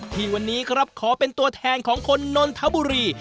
ที่วันนี้ครับขอเป็นตัวแทนของคนนนทบุรี